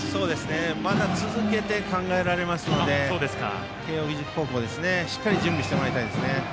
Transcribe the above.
まだ続けて考えられますので慶応義塾高校はしっかり準備してもらいたいです。